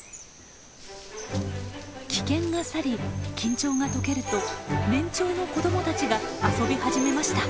危険が去り緊張が解けると年長の子どもたちが遊び始めました。